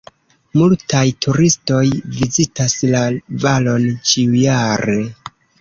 Multaj turistoj vizitas la valon ĉiujare.